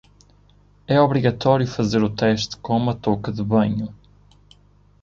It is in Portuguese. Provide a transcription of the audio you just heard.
É obrigatório fazer o teste com uma touca de banho.